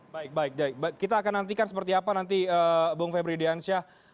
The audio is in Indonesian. baik baik kita akan nantikan seperti apa nanti bung febri diansyah